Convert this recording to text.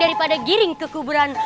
daripada giring ke kuburan